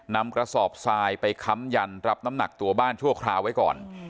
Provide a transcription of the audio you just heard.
นำกระสอบทรายไปค้ำยันรับน้ำหนักตัวบ้านชั่วคราวไว้ก่อน